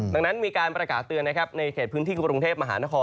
ดังนั้นมีการประกาศเตือนนะครับในเขตพื้นที่กรุงเทพมหานคร